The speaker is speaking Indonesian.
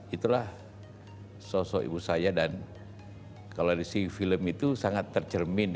itulah sosok ibu saya dan kalau dari sisi film itu sangat tercermin